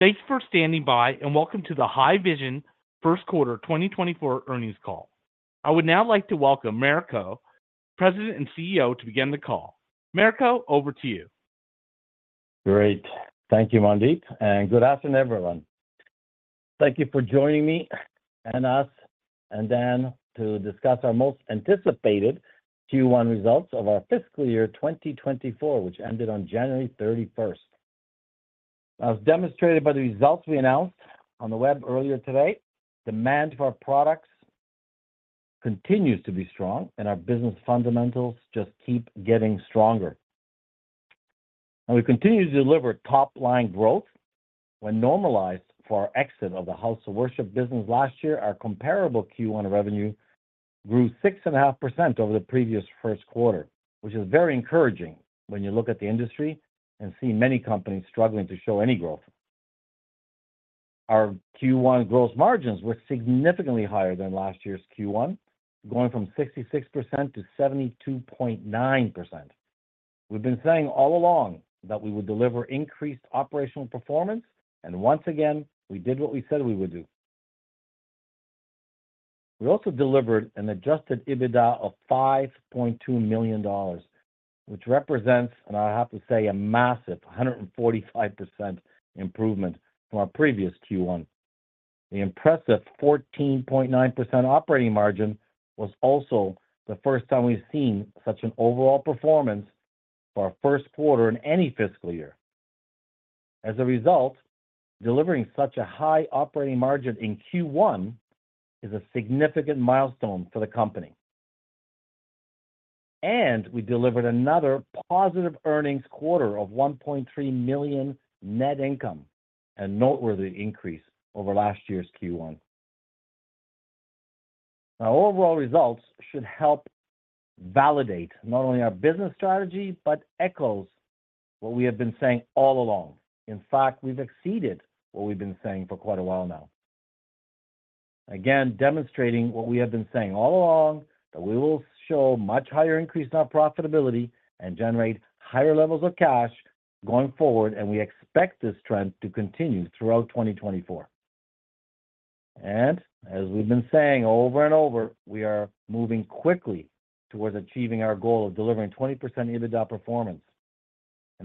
Thanks for standing by and welcome to the Haivision First Quarter 2024 earnings call. I would now like to welcome Mirko, President and CEO, to begin the call. Mirko, over to you. Great. Thank you, Mandeep, and good afternoon, everyone. Thank you for joining me and us and Dan to discuss our most anticipated Q1 results of our fiscal year 2024, which ended on January 31st. As demonstrated by the results we announced on the web earlier today, demand for our products continues to be strong, and our business fundamentals just keep getting stronger. We continue to deliver top-line growth. When normalized for our exit of the house of worship business last year, our comparable Q1 revenue grew 6.5% over the previous first quarter, which is very encouraging when you look at the industry and see many companies struggling to show any growth. Our Q1 gross margins were significantly higher than last year's Q1, going from 66%-72.9%. We've been saying all along that we would deliver increased operational performance, and once again, we did what we said we would do. We also delivered an Adjusted EBITDA of $5.2 million, which represents, and I have to say, a massive 145% improvement from our previous Q1. The impressive 14.9% operating margin was also the first time we've seen such an overall performance for our first quarter in any fiscal year. As a result, delivering such a high operating margin in Q1 is a significant milestone for the company. We delivered another positive earnings quarter of $1.3 million net income, a noteworthy increase over last year's Q1. Our overall results should help validate not only our business strategy but echo what we have been saying all along. In fact, we've exceeded what we've been saying for quite a while now, again demonstrating what we have been saying all along: that we will show much higher increase in our profitability and generate higher levels of cash going forward, and we expect this trend to continue throughout 2024. As we've been saying over and over, we are moving quickly towards achieving our goal of delivering 20% EBITDA performance.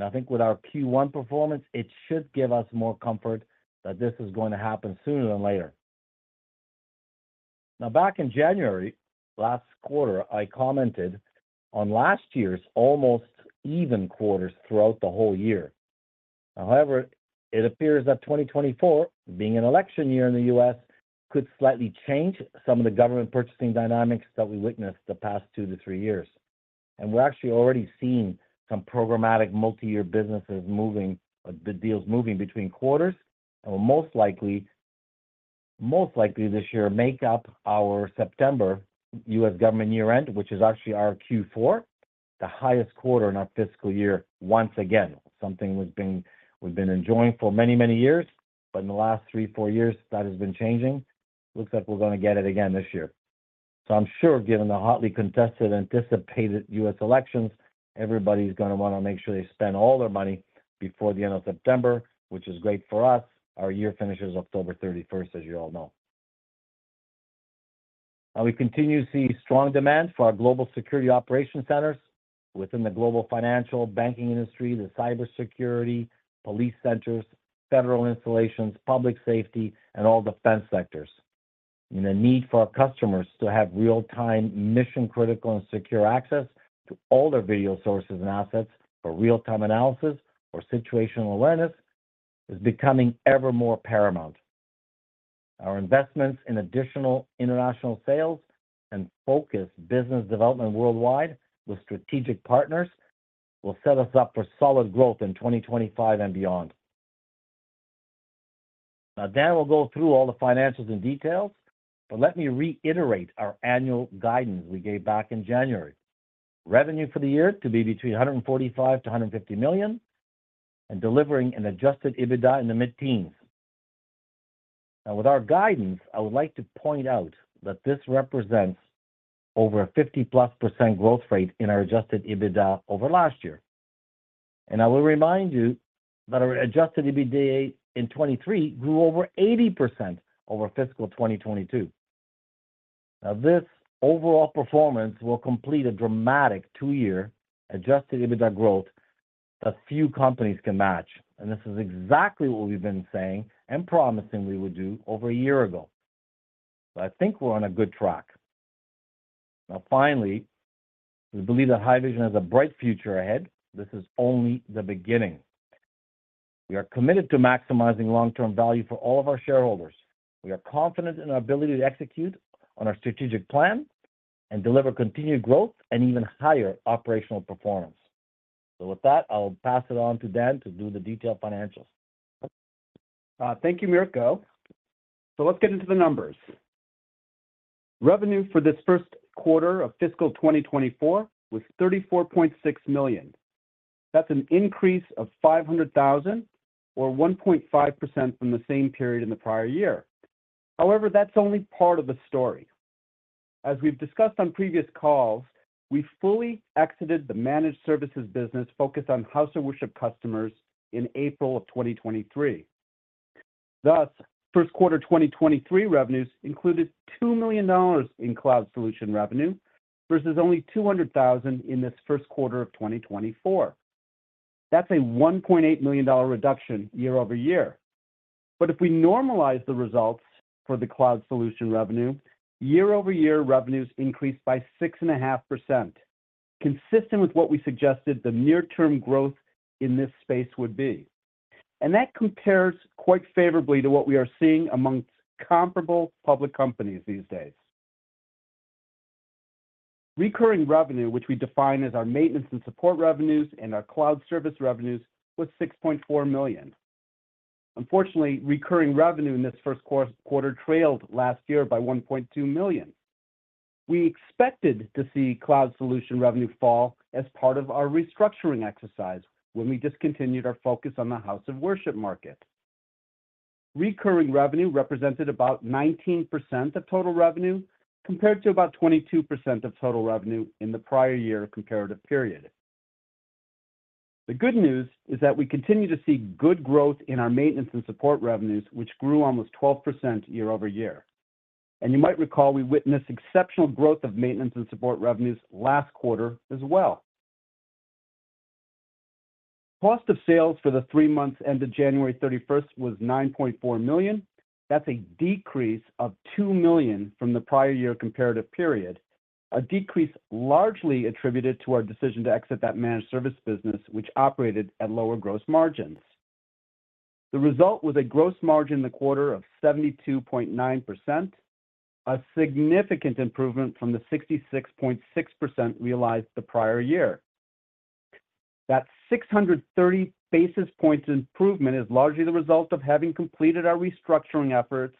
I think with our Q1 performance, it should give us more comfort that this is going to happen sooner than later. Now, back in January last quarter, I commented on last year's almost even quarters throughout the whole year. However, it appears that 2024, being an election year in the U.S., could slightly change some of the government purchasing dynamics that we witnessed the past two to three years. We're actually already seeing some programmatic multi-year businesses moving deals moving between quarters and will most likely this year make up our September U.S. government year-end, which is actually our Q4, the highest quarter in our fiscal year once again, something we've been enjoying for many, many years. But in the last three, four years, that has been changing. Looks like we're going to get it again this year. So I'm sure, given the hotly contested and anticipated U.S. elections, everybody's going to want to make sure they spend all their money before the end of September, which is great for us. Our year finishes October 31st, as you all know. And we continue to see strong demand for our global security operation centers within the global financial banking industry, the cybersecurity, police centers, federal installations, public safety, and all defense sectors. The need for our customers to have real-time, mission-critical, and secure access to all their video sources and assets for real-time analysis or situational awareness is becoming ever more paramount. Our investments in additional international sales and focused business development worldwide with strategic partners will set us up for solid growth in 2025 and beyond. Now, Dan will go through all the financials in details, but let me reiterate our annual guidance we gave back in January: revenue for the year to be between 145 million-150 million and delivering an adjusted EBITDA in the mid-teens. Now, with our guidance, I would like to point out that this represents over a 50+% growth rate in our adjusted EBITDA over last year. I will remind you that our adjusted EBITDA in 2023 grew over 80% over fiscal 2022. Now, this overall performance will complete a dramatic two-year Adjusted EBITDA growth that few companies can match. And this is exactly what we've been saying and promising we would do over a year ago. So I think we're on a good track. Now, finally, we believe that Haivision has a bright future ahead. This is only the beginning. We are committed to maximizing long-term value for all of our shareholders. We are confident in our ability to execute on our strategic plan and deliver continued growth and even higher operational performance. So with that, I'll pass it on to Dan to do the detailed financials. Thank you, Mirko. So let's get into the numbers. Revenue for this first quarter of fiscal 2024 was 34.6 million. That's an increase of 500,000 or 1.5% from the same period in the prior year. However, that's only part of the story. As we've discussed on previous calls, we fully exited the managed services business focused on House of Worship customers in April of 2023. Thus, first quarter 2023 revenues included CAD 2 million in cloud solution revenue versus only 200,000 in this first quarter of 2024. That's a CAD 1.8 million reduction year-over-year. But if we normalize the results for the cloud solution revenue, year-over-year, revenues increased by 6.5%, consistent with what we suggested the near-term growth in this space would be. And that compares quite favorably to what we are seeing amongst comparable public companies these days. Recurring revenue, which we define as our maintenance and support revenues and our cloud service revenues, was 6.4 million. Unfortunately, recurring revenue in this first quarter trailed last year by 1.2 million. We expected to see cloud solution revenue fall as part of our restructuring exercise when we discontinued our focus on the House of Worship market. Recurring revenue represented about 19% of total revenue compared to about 22% of total revenue in the prior year comparative period. The good news is that we continue to see good growth in our maintenance and support revenues, which grew almost 12% year-over-year. You might recall we witnessed exceptional growth of maintenance and support revenues last quarter as well. Cost of sales for the three months ended January 31st was 9.4 million. That's a decrease of 2 million from the prior year comparative period, a decrease largely attributed to our decision to exit that managed service business, which operated at lower gross margins. The result was a gross margin in the quarter of 72.9%, a significant improvement from the 66.6% realized the prior year. That 630 basis points improvement is largely the result of having completed our restructuring efforts,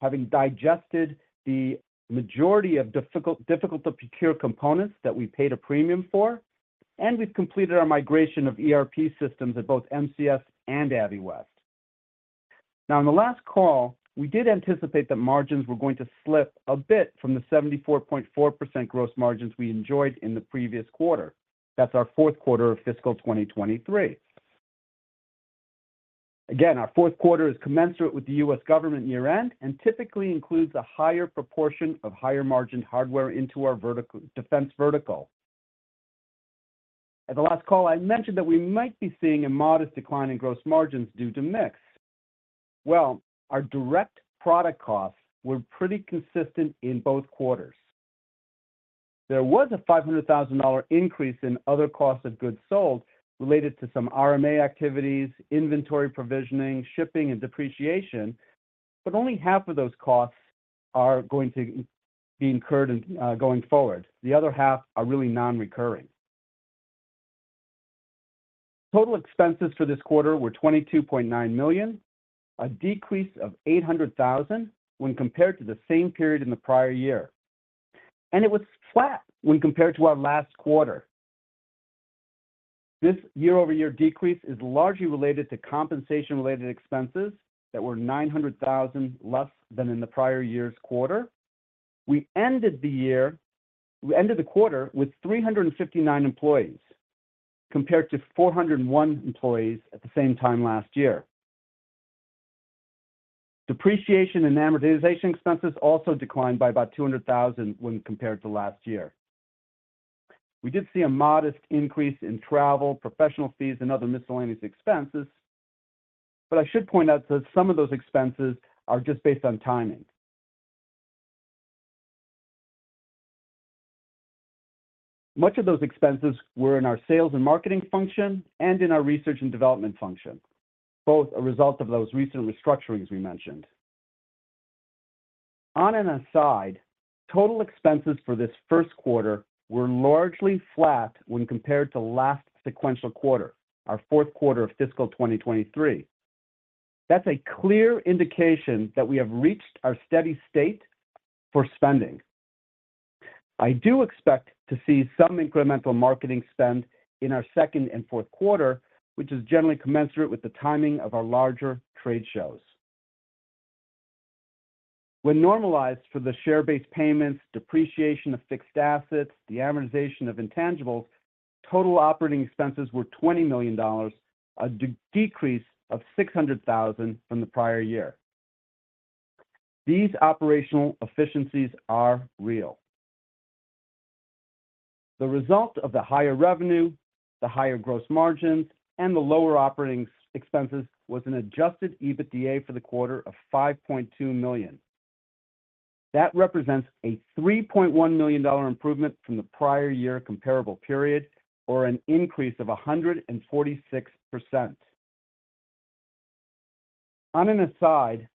having digested the majority of difficult-to-procure components that we paid a premium for, and we've completed our migration of ERP systems at both MCS and Aviwest. Now, in the last call, we did anticipate that margins were going to slip a bit from the 74.4% gross margins we enjoyed in the previous quarter. That's our fourth quarter of fiscal 2023. Again, our fourth quarter is commensurate with the U.S. government year-end and typically includes a higher proportion of higher-margined hardware into our defense vertical. At the last call, I mentioned that we might be seeing a modest decline in gross margins due to mix. Well, our direct product costs were pretty consistent in both quarters. There was a $500,000 increase in other costs of goods sold related to some RMA activities, inventory provisioning, shipping, and depreciation, but only half of those costs are going to be incurred going forward. The other half are really non-recurring. Total expenses for this quarter were $22.9 million, a decrease of $800,000 when compared to the same period in the prior year. It was flat when compared to our last quarter. This year-over-year decrease is largely related to compensation-related expenses that were $900,000 less than in the prior year's quarter. We ended the quarter with 359 employees compared to 401 employees at the same time last year. Depreciation and amortization expenses also declined by about 200,000 when compared to last year. We did see a modest increase in travel, professional fees, and other miscellaneous expenses. But I should point out that some of those expenses are just based on timing. Much of those expenses were in our sales and marketing function and in our research and development function, both a result of those recent restructurings we mentioned. On an aside, total expenses for this first quarter were largely flat when compared to last sequential quarter, our fourth quarter of fiscal 2023. That's a clear indication that we have reached our steady state for spending. I do expect to see some incremental marketing spend in our second and fourth quarter, which is generally commensurate with the timing of our larger trade shows. When normalized for the share-based payments, depreciation of fixed assets, the amortization of intangibles, total operating expenses were $20 million, a decrease of $600,000 from the prior year. These operational efficiencies are real. The result of the higher revenue, the higher gross margins, and the lower operating expenses was an adjusted EBITDA for the quarter of $5.2 million. That represents a $3.1 million improvement from the prior year comparable period or an increase of 146%. On an aside,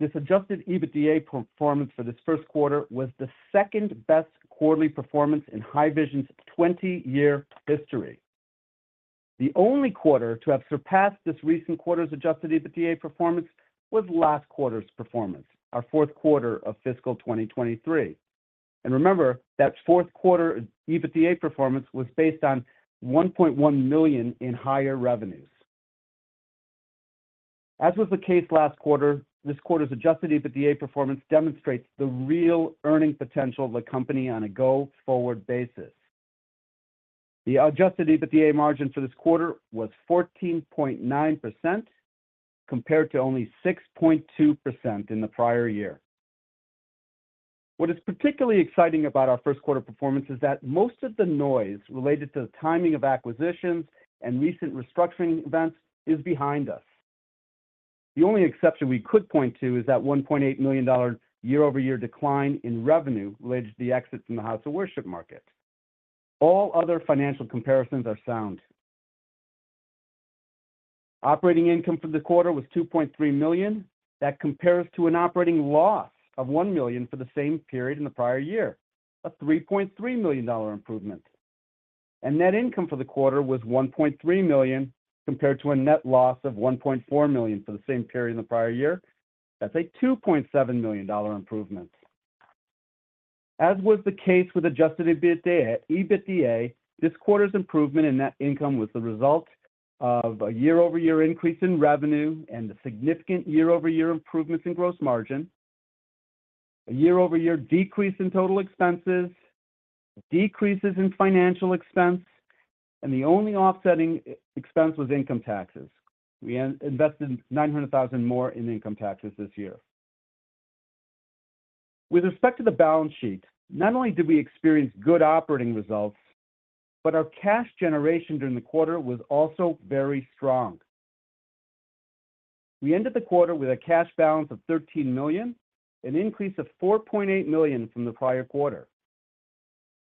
this adjusted EBITDA performance for this first quarter was the second-best quarterly performance in Haivision's 20-year history. The only quarter to have surpassed this recent quarter's adjusted EBITDA performance was last quarter's performance, our fourth quarter of fiscal 2023. Remember, that fourth quarter EBITDA performance was based on $1.1 million in higher revenues. As was the case last quarter, this quarter's adjusted EBITDA performance demonstrates the real earning potential of the company on a go-forward basis. The adjusted EBITDA margin for this quarter was 14.9% compared to only 6.2% in the prior year. What is particularly exciting about our first quarter performance is that most of the noise related to the timing of acquisitions and recent restructuring events is behind us. The only exception we could point to is that $1.8 million year-over-year decline in revenue related to the exit from the House of Worship market. All other financial comparisons are sound. Operating income for the quarter was $2.3 million. That compares to an operating loss of $1 million for the same period in the prior year, a $3.3 million improvement. Net income for the quarter was 1.3 million compared to a net loss of 1.4 million for the same period in the prior year. That's a 2.7 million dollar improvement. As was the case with Adjusted EBITDA, this quarter's improvement in net income was the result of a year-over-year increase in revenue and the significant year-over-year improvements in gross margin, a year-over-year decrease in total expenses, decreases in financial expense, and the only offsetting expense was income taxes. We invested 900,000 more in income taxes this year. With respect to the balance sheet, not only did we experience good operating results, but our cash generation during the quarter was also very strong. We ended the quarter with a cash balance of 13 million, an increase of 4.8 million from the prior quarter.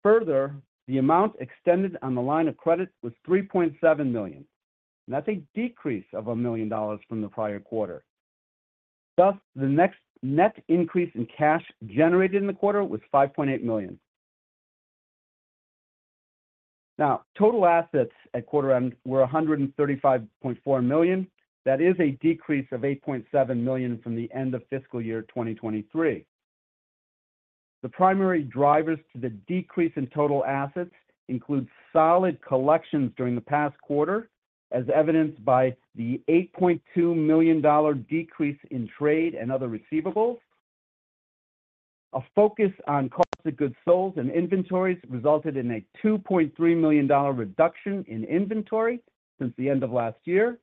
Further, the amount extended on the line of credit was 3.7 million. That's a decrease of 1 million dollars from the prior quarter. Thus, the net increase in cash generated in the quarter was 5.8 million. Now, total assets at quarter end were 135.4 million. That is a decrease of 8.7 million from the end of fiscal year 2023. The primary drivers to the decrease in total assets include solid collections during the past quarter, as evidenced by the 8.2 million dollar decrease in trade and other receivables. A focus on cost of goods sold and inventories resulted in a 2.3 million dollar reduction in inventory since the end of last year.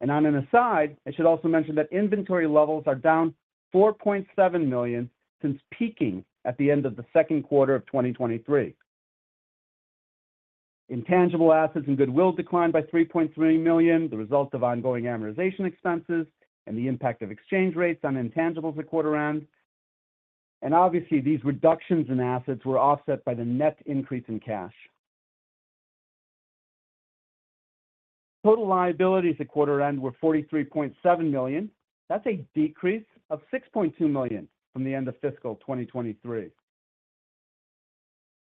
On an aside, I should also mention that inventory levels are down 4.7 million since peaking at the end of the second quarter of 2023. Intangible assets and goodwill declined by 3.3 million, the result of ongoing amortization expenses and the impact of exchange rates on intangibles at quarter end. Obviously, these reductions in assets were offset by the net increase in cash. Total liabilities at quarter end were 43.7 million. That's a decrease of 6.2 million from the end of fiscal 2023.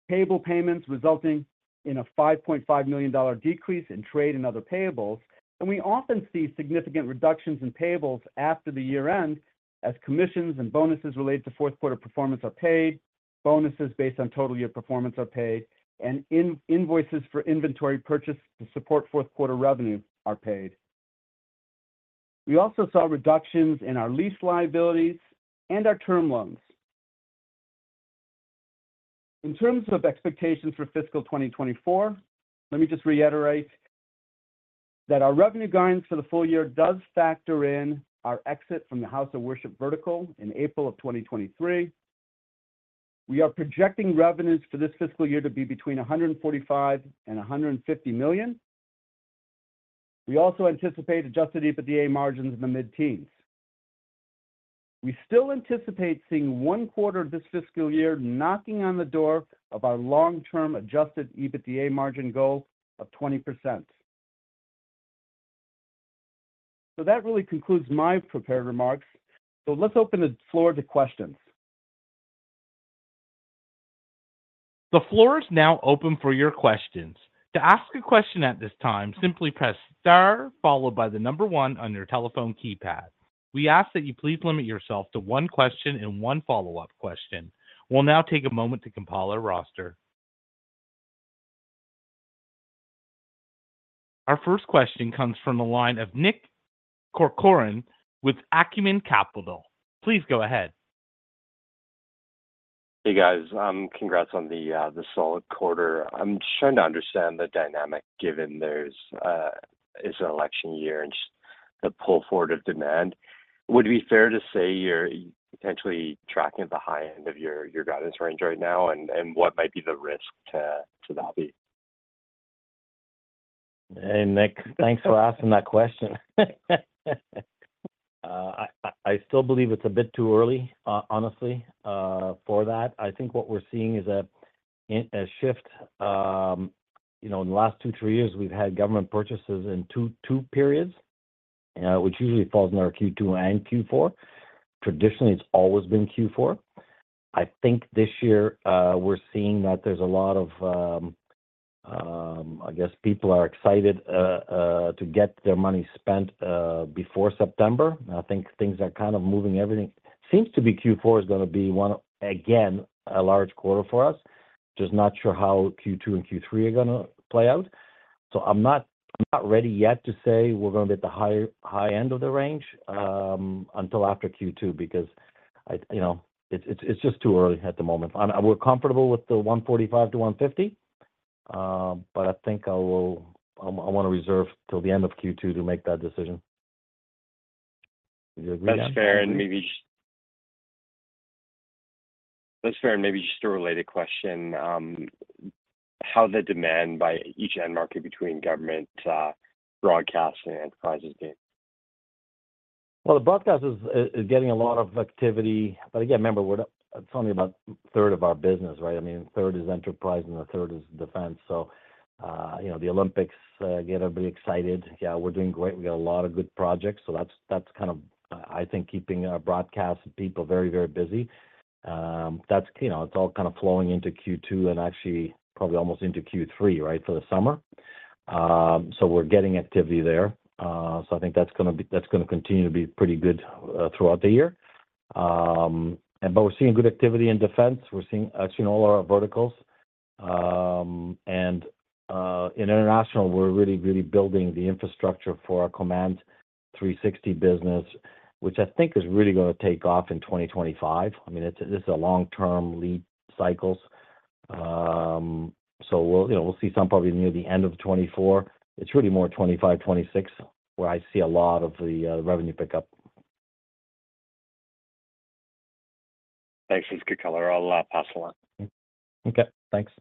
Payable payments resulting in a 5.5 million dollar decrease in trade and other payables. We often see significant reductions in payables after the year end as commissions and bonuses related to fourth quarter performance are paid, bonuses based on total year performance are paid, and invoices for inventory purchase to support fourth quarter revenue are paid. We also saw reductions in our lease liabilities and our term loans. In terms of expectations for fiscal 2024, let me just reiterate that our revenue guidance for the full year does factor in our exit from the House of Worship vertical in April of 2023. We are projecting revenues for this fiscal year to be between 145 million and 150 million. We also anticipate Adjusted EBITDA margins in the mid-teens. We still anticipate seeing one quarter of this fiscal year knocking on the door of our long-term Adjusted EBITDA margin goal of 20%. So that really concludes my prepared remarks. So let's open the floor to questions. The floor is now open for your questions. To ask a question at this time, simply press * followed by the number 1 on your telephone keypad. We ask that you please limit yourself to one question and one follow-up question. We'll now take a moment to compile our roster. Our first question comes from the line of Nick Corcoran with Acumen Capital. Please go ahead. Hey, guys. Congrats on the solid quarter. I'm trying to understand the dynamic given there's an election year and the pull forward of demand. Would it be fair to say you're potentially tracking at the high end of your guidance range right now and what might be the ri sk to that be? Hey, Nick, thanks for asking that question. I still believe it's a bit too early, honestly, for that. I think what we're seeing is a shift. In the last two, three years, we've had government purchases in two periods, which usually falls in our Q2 and Q4. Traditionally, it's always been Q4. I think this year we're seeing that there's a lot of, I guess, people are excited to get their money spent before September. I think things are kind of moving. Everything seems to be. Q4 is going to be, again, a large quarter for us. Just not sure how Q2 and Q3 are going to play out. So I'm not ready yet to say we're going to be at the high end of the range until after Q2 because it's just too early at the moment. We're comfortable with the 145-150, but I think I want to reserve till the end of Q2 to make that decision. Do you agree? That's fair. And maybe just that's fair. And maybe just a related question, how the demand by each end market between government, broadcast, and enterprises being? Well, the broadcast is getting a lot of activity. But again, remember, it's only about a third of our business, right? I mean, third is enterprise and the third is defense. So the Olympics get everybody excited. Yeah, we're doing great. We got a lot of good projects. So that's kind of, I think, keeping our broadcast people very, very busy. It's all kind of flowing into Q2 and actually probably almost into Q3, right, for the summer. So we're getting activity there. So I think that's going to be that's going to continue to be pretty good throughout the year. But we're seeing good activity in defense. We're seeing actually in all our verticals. And in international, we're really, really building the infrastructure for our Command 360 business, which I think is really going to take off in 2025. I mean, this is a long-term lead cycles. So we'll see some probably near the end of 2024. It's really more 2025, 2026 where I see a lot of the revenue pickup. Thanks. That's good color. I'll pass on that. Okay. Thanks.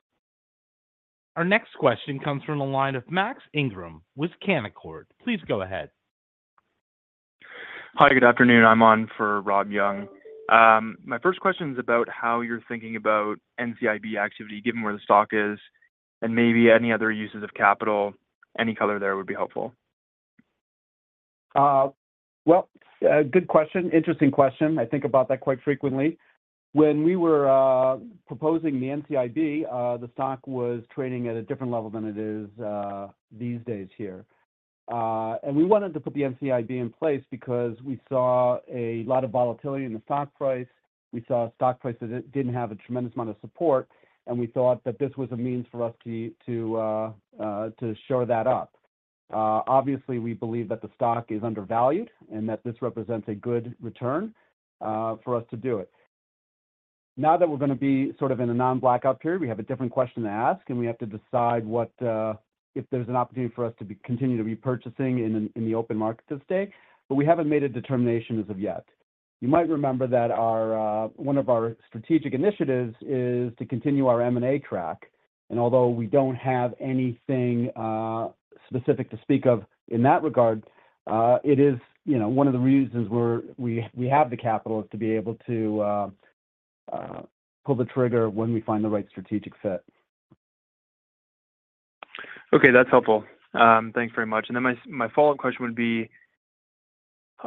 Our next question comes from the line of Max Ingram with Canaccord. Please go ahead. Hi. Good afternoon. I'm on for Rob Young. My first question is about how you're thinking about NCIB activity, given where the stock is, and maybe any other uses of capital. Any color there would be helpful. Well, good question. Interesting question. I think about that quite frequently. When we were proposing the NCIB, the stock was trading at a different level than it is these days here. We wanted to put the NCIB in place because we saw a lot of volatility in the stock price. We saw a stock price that didn't have a tremendous amount of support. We thought that this was a means for us to shore that up. Obviously, we believe that the stock is undervalued and that this represents a good return for us to do it. Now that we're going to be sort of in a non-blackout period, we have a different question to ask, and we have to decide if there's an opportunity for us to continue to be purchasing in the open market this day. But we haven't made a determination as of yet. You might remember that one of our strategic initiatives is to continue our M&A track. And although we don't have anything specific to speak of in that regard, it is one of the reasons we have the capital is to be able to pull the trigger when we find the right strategic fit . Okay. That's helpful. Thanks very much. And then my follow-up question would be,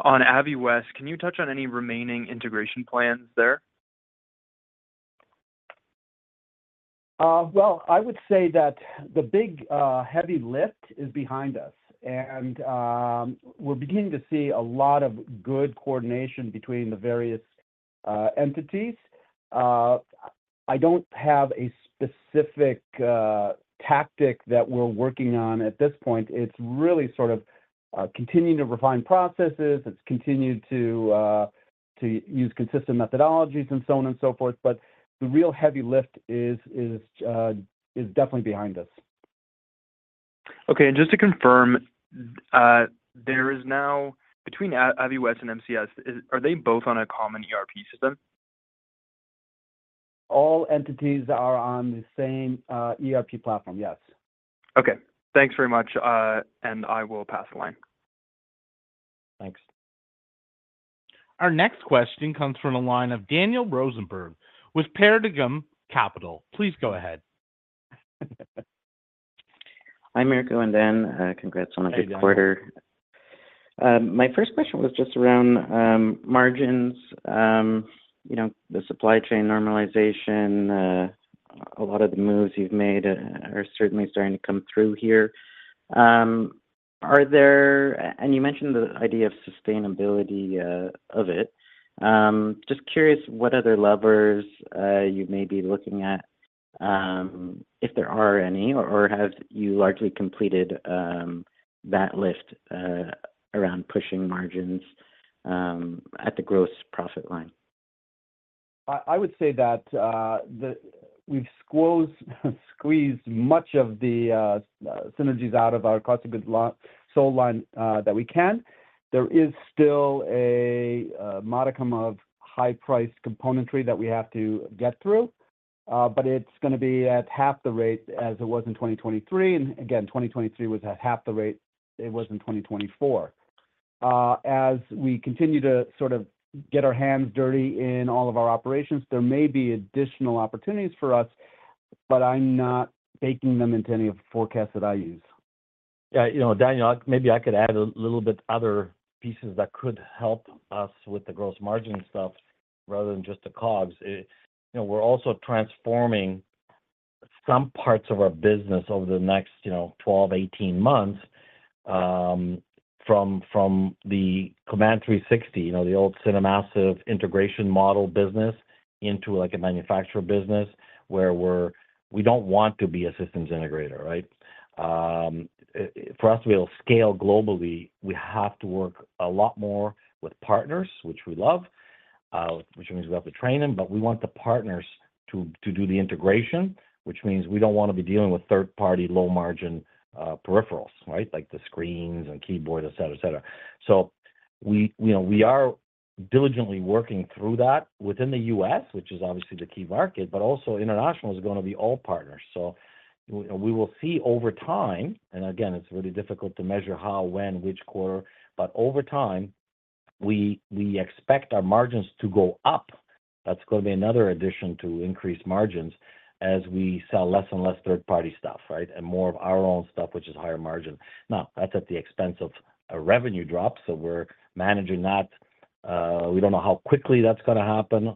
on Aviwest, can you touch on any remaining integration plans there? Well, I would say that the big heavy lift is behind us. And we're beginning to see a lot of good coordination between the various entities. I don't have a specific tactic that we're working on at this point. It's really sort of continuing to refine processes. It's continued to use consistent methodologies and so on and so forth. But the real heavy lift is definitely behind us. Okay. And just to confirm, there is now between Aviwest and MCS, are they both on a common ERP system? All entities are on the same ERP platform. Yes. Okay. Thanks very much. And I will pass the line. Thanks. Our next question comes from the line of Daniel Rosenberg with Paradigm Capital. Please go ahead. Hi, Mirko and Dan. Congrats on a good quarter. Hey, Dan. My first question was just around margins, the supply chain normalization. A lot of the moves you've made are certainly starting to come through here. You mentioned the idea of sustainability of it. Just curious what other levers you may be looking at, if there are any, or have you largely completed that lift around pushing margins at the gross profit line? I would say that we've squeezed much of the synergies out of our cost of goods sold line that we can. There is still a modicum of high-priced componentry that we have to get through. But it's going to be at half the rate as it was in 2023. And again, 2023 was at half the rate it was in 2024. As we continue to sort of get our hands dirty in all of our operations, there may be additional opportunities for us, but I'm not baking them into any of the forecasts that I use. Yeah. Daniel, maybe I could add a little bit other pieces that could help us with the gross margin stuff rather than just the COGS. We're also transforming some parts of our business over the next 12-18 months from the Command 360, the old CineMassive integration model business, into a manufacturer business where we don't want to be a systems integrator, right? For us to be able to scale globally, we have to work a lot more with partners, which we love, which means we have to train them. But we want the partners to do the integration, which means we don't want to be dealing with third-party low-margin peripherals, right, like the screens and keyboards, etc., etc. So we are diligently working through that within the U.S., which is obviously the key market, but also international is going to be all partners. So we will see over time and again, it's really difficult to measure how, when, which quarter. But over time, we expect our margins to go up. That's going to be another addition to increase margins as we sell less and less third-party stuff, right, and more of our own stuff, which is higher margin. Now, that's at the expense of a revenue drop. So we're managing not we don't know how quickly that's going to happen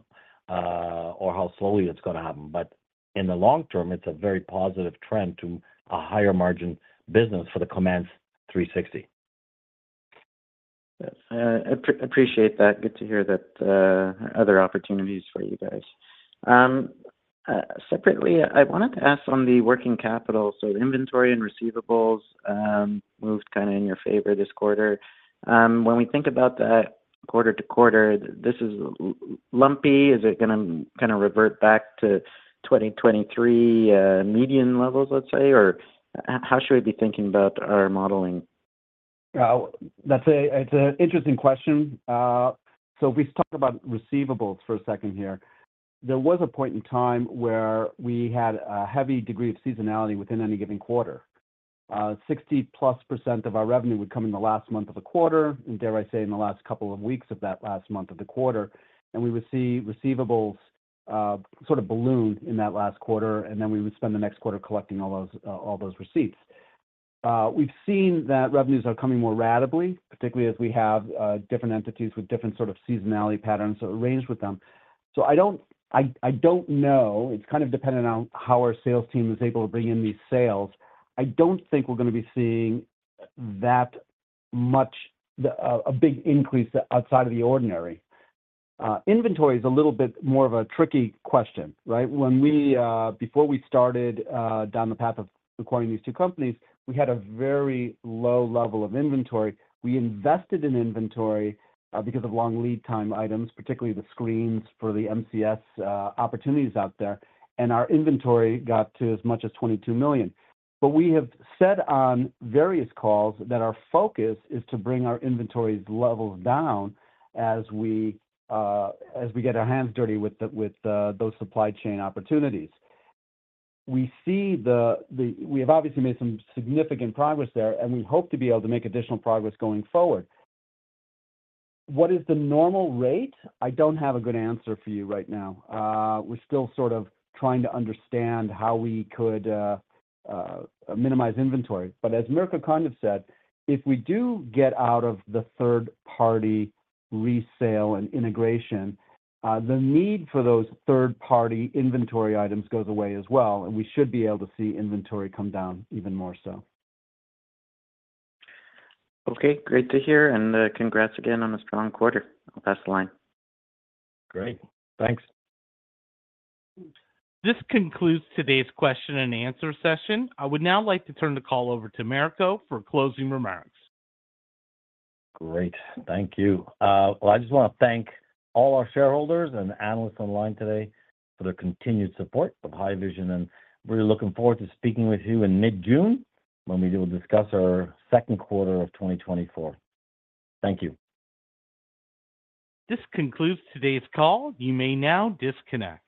or how slowly it's going to happen. But in the long term, it's a very positive trend to a higher margin business for the Command 360. I appreciate that. Good to hear that other opportunities for you guys. Separately, I wanted to ask on the working capital. So inventory and receivables moved kind of in your favor this quarter. When we think about that quarter to quarter, this is lumpy. Is it going to kind of revert back to 2023 median levels, let's say, or how should we be thinking about our modeling? That's an interesting question. So if we talk about receivables for a second here, there was a point in time where we had a heavy degree of seasonality within any given quarter. 60%+ of our revenue would come in the last month of the quarter, and dare I say, in the last couple of weeks of that last month of the quarter. And we would see receivables sort of balloon in that last quarter, and then we would spend the next quarter collecting all those receipts. We've seen that revenues are coming more rapidly, particularly as we have different entities with different sort of seasonality patterns arranged with them. So I don't know. It's kind of dependent on how our sales team is able to bring in these sales. I don't think we're going to be seeing that much, a big increase outside of the ordinary. Inventory is a little bit more of a tricky question, right? Before we started down the path of acquiring these two companies, we had a very low level of inventory. We invested in inventory because of long lead time items, particularly the screens for the MCS opportunities out there. Our inventory got to as much as 22 million. We have said on various calls that our focus is to bring our inventory's levels down as we get our hands dirty with those supply chain opportunities. We have obviously made some significant progress there, and we hope to be able to make additional progress going forward. What is the normal rate? I don't have a good answer for you right now. We're still sort of trying to understand how we could minimize inventory. But as Mirko kind of said, if we do get out of the third-party resale and integration, the need for those third-party inventory items goes away as well. And we should be able to see inventory come down even more so. Okay. Great to hear. And congrats again on a strong quarter. I'll pass the line. Great. Thanks. This concludes today's question and answer session. I would now like to turn the call over to Mirko for closing remarks. Great. Thank you. Well, I just want to thank all our shareholders and analysts online today for their continued support of Haivision. And we're looking forward to speaking with you in mid-June when we will discuss our second quarter of 2024. Thank you. This concludes today's call. You may now disconnect.